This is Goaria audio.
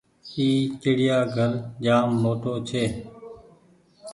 اي چڙيآ گهر جآم موٽو ڇي۔